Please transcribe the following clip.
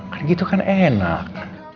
kan gitu kan enak